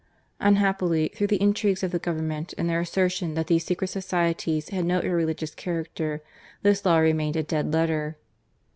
Unhappily, through the intrigues of the Govern ment and their assertion that these secret societies had no irreligious character, this law remained a dead letter.